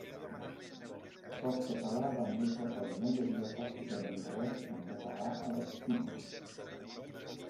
Softcatalà va néixer quan no hi havia pràcticament res en català a les TIC.